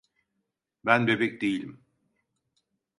Ben bebek değilim.